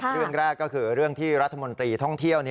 เรื่องแรกก็คือเรื่องที่รัฐมนตรีท่องเที่ยว